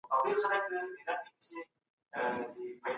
په ازاده مطالعه کي د فکر پېچلتیاوې حل کیږي.